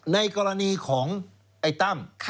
ในกรณีของไอ้ตั้ม